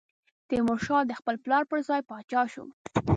تیمورشاه د خپل پلار پر ځای پاچا شو.